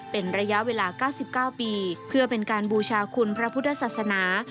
เป็นระยะเวลา๙๙ปีเพื่อเป็นการบูชาคุณพระพุทธศาสนา